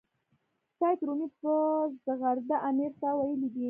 سید رومي په زغرده امیر ته ویلي دي.